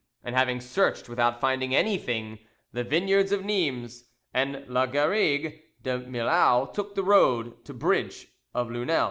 and having searched without finding anything the vineyards of Nimes and La Garrigue de Milhau, took the road to the bridge of Lunel.